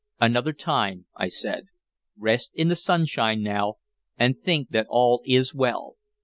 "Another time," I said. "Rest in the sunshine now, and think that all is well.